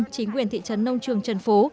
chính quyền thị trấn nông trường trần phú